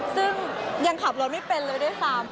ซึ่งยังขับรถไม่เป็นเลยได้ค่ะ